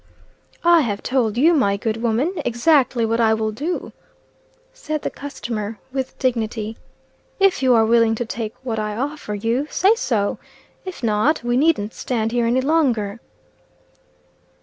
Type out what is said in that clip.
"I have told you, my good woman, exactly what I will do," said the customer, with dignity. "If you are willing to take what I offer you, say so; if not, we needn't stand here any longer."